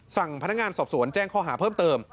สั่งพนักงานสอบสวนแจ้งข้อหาเพิ่มเติม